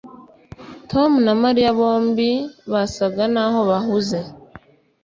Tom na Mariya bombi basaga naho bahuze